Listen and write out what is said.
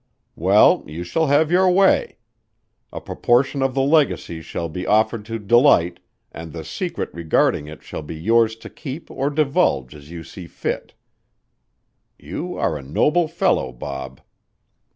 Well, you shall have your way! A proportion of the legacy shall be offered to Delight, and the secret regarding it shall be yours to keep or divulge as you see fit. You are a noble fellow, Bob.